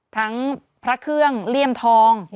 ทั้งพระคืองเลียมทอง